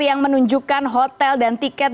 yang menunjukkan hotel dan tiket